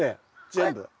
全部？